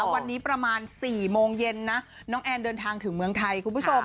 วันนี้ประมาณ๔โมงเย็นนะน้องแอนเดินทางถึงเมืองไทยคุณผู้ชม